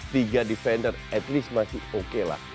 tiga defender at least masih oke lah